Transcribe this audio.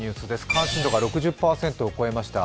関心度が６０％を超えました。